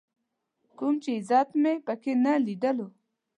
کوم چې عزت مې په کې نه ليدلو.